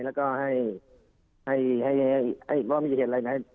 แล้วก็ให้อะไรอีกบ้างไม่มีเกษตรอะไรไหน